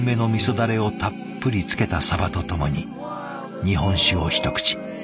だれをたっぷりつけたサバとともに日本酒を一口。